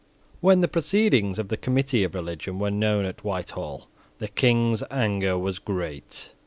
When the proceedings of the Committee of Religion were known at Whitehall, the King's anger was great.